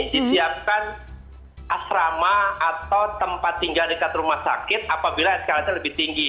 disiapkan asrama atau tempat tinggal dekat rumah sakit apabila eskalasinya lebih tinggi